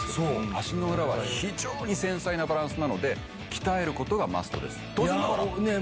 足の裏は非常に繊細なバランスなので鍛える事がマストです。